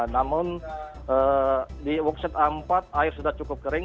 namun di walkset a empat air sudah cukup kering